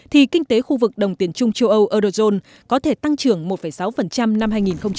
thì kinh tế khu vực đồng tiền trung châu âu có thể tăng trưởng một sáu năm hai nghìn một mươi bảy